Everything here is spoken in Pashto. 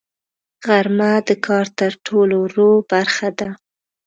غرمه د کار تر ټولو وروه برخه ده